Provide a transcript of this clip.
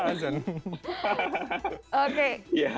jangan jangan kangen gorengan tapi ternyata azan